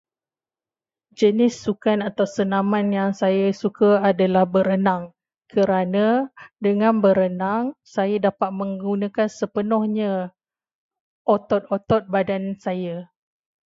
Jenis sukan atau senaman yang saya suka adalah berenang. Kerana dengan berenang. saya dapat menggunakan sepenuhnya otot-otot badan saya.